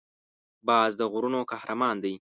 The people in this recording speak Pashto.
باز د غرونو قهرمان دی